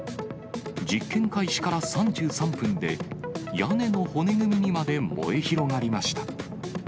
実験開始から３３分で、屋根の骨組みにまで燃え広がりました。